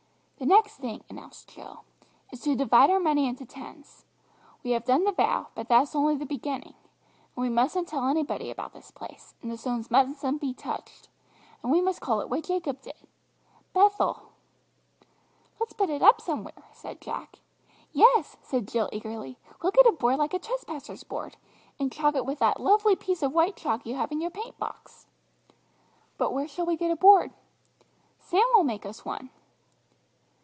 "The next thing," announced Jill, "is to divide our money into tens. We have done the vow, but that's only the beginning. And we mustn't tell anybody about this place, and the stones mustn't be touched, and we must call it what Jacob did Bethel!" "Let's put it up somewhere," said Jack. "Yes," said Jill eagerly; "we will get a board like a trespassers' board, and chalk it with that lovely piece of white chalk you have in your paint box." "But where shall we get a board?" "Sam will make us one."